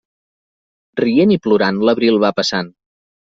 Rient i plorant, l'abril va passant.